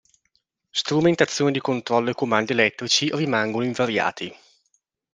Strumentazione di controllo e comandi elettrici rimangono invariati.